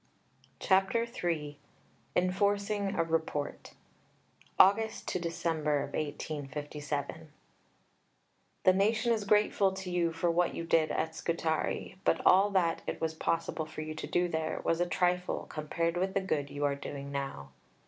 CHAPTER III ENFORCING A REPORT (August December 1857) The Nation is grateful to you for what you did at Scutari, but all that it was possible for you to do there was a trifle compared with the good you are doing now.